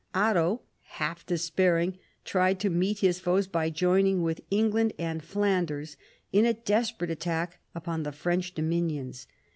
Otto, half despairing, tried to meet his foes by joining with England and Flanders in a desperate attack upon the French dominions.